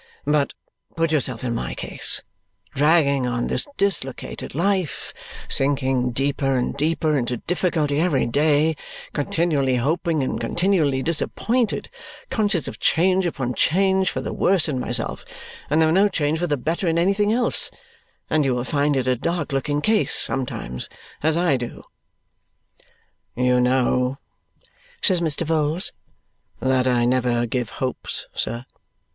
But put yourself in my case, dragging on this dislocated life, sinking deeper and deeper into difficulty every day, continually hoping and continually disappointed, conscious of change upon change for the worse in myself, and of no change for the better in anything else, and you will find it a dark looking case sometimes, as I do." "You know," says Mr. Vholes, "that I never give hopes, sir.